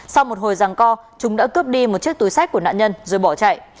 sau một hồi ràng co chúng đã cướp đi một chiếc túi xách của nạn nhân rồi bỏ chạy